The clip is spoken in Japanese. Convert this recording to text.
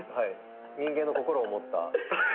人間の心を持った。